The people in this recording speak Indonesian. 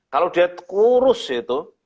kalau dia kurus itu